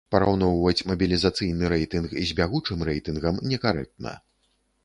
Параўноўваць мабілізацыйны рэйтынг з бягучым рэйтынгам некарэктна.